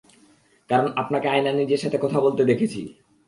কারণ আপনাকে আয়নায় নিজের সাথে কথা বলতে দেখেছি।